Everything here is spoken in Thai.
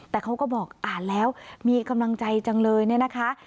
แต่เขาก็บอกอ่านแล้วมีกำลังใจจังเลยเนี่ยนะคะ